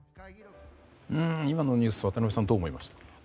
今のニュース渡辺さん、どう思いました？